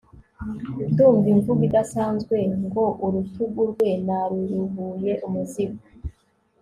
ndumva imvugo idasanzwe ngourutugu rwe naruruhuye umuzigo